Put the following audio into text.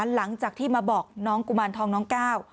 หลังจากที่มาบอกน้องกุมารทองน้องก้าว